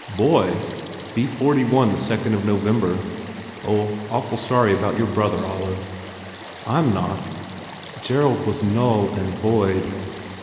"Boy? Be forty one the second of November. Oh, awful sorry about your brother, Olive." "I m not. Gerald was null and void.